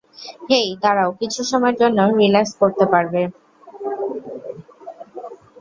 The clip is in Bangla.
হেই, দাঁড়াও, কিছু সময়ের জন্য রিলাক্স করতে পারবে?